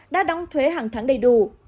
đã đóng thuế hàng tháng đầy đủ